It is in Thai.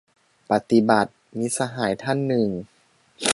ปฏิบัติ ! - มิตรสหายท่านหนึ่ง